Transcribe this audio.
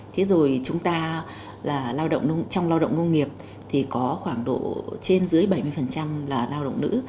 thế rồi chúng ta trong lao động nông nghiệp thì có khoảng độ trên dưới bảy mươi là lao động nữ